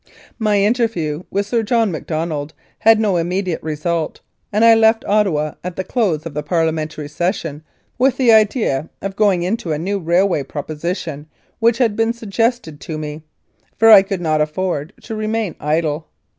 My interview with Sir John Macdonald had no im mediate result, and I left Ottawa at the close of the Parliamentary session with the idea of going into a new railway proposition which had been suggested to me, for I could not afford to remain idle.